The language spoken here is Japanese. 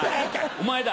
お前だ！